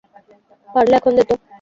পারলে এখন দে তো।